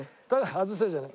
「外せ」じゃない。